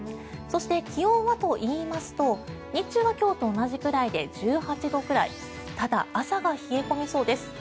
そして、気温はといいますと日中は今日と同じくらいで１８度くらいただ、朝が冷え込みそうです。